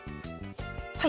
はい。